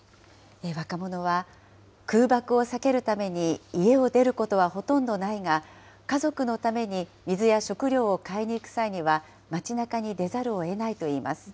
若者は、空爆を避けるために家を出ることはほとんどないが、家族のために水や食料を買いに行く際には、街なかに出ざるをえないといいます。